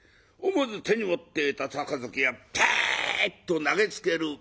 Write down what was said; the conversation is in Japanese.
思わず手に持っていた杯をパンと投げつける。